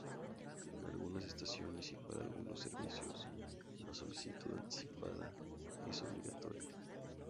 En algunas estaciones y para algunos servicios, la solicitud anticipada es obligatoria.